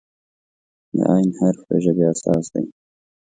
د "ع" حرف د ژبې اساس دی.